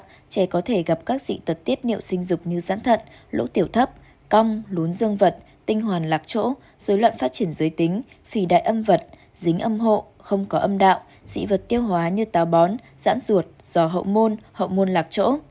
các trẻ có thể gặp các dị tật tiết niệu sinh dục như giãn thận lũ tiểu thấp cong lún dương vật tinh hoàn lạc chỗ dối loạn phát triển giới tính phì đại âm vật dính âm hộ không có âm đạo dị vật tiêu hóa như táo bón giãn ruột do hậu môn hậu muôn lạc chỗ